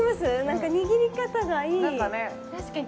何か握り方がいい何かね